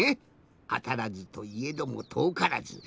あたらずといえどもとおからず。